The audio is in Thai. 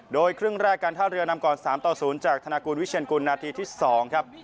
โดยครึ่งแรกการท่าเรือนำก่อน๓ต่อ๐จากธนากูลวิเชียนกุลนาทีที่๒ครับ